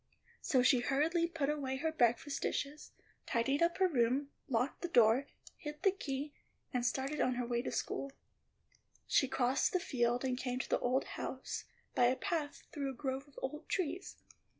So she hurriedly put away her breakfast dishes, tidied up her room, locked the door, hid the key, and started on her way to school. She crossed the field and came to the old house by a path through a grove of old trees.